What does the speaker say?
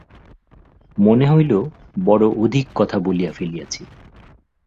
মনে হইল, বড়ো অধিক কথা বলিয়া ফেলিয়াছি।